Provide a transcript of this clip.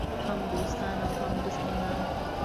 هم دوستان او هم دښمنان.